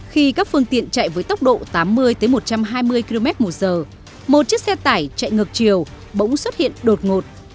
khi các phương tiện chạy với tốc độ tám mươi một trăm hai mươi kmh một chiếc xe tải chạy ngược chiều bỗng xuất hiện đột ngột